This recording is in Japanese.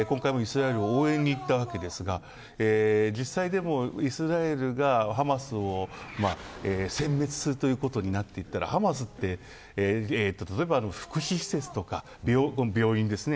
今回もイスラエルの応援に行ったわけですが実際、イスラエルがハマスを選別するということになっていったらハマスって例えば福祉施設とか病院ですね。